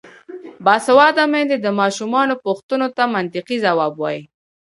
باسواده میندې د ماشومانو پوښتنو ته منطقي ځواب وايي.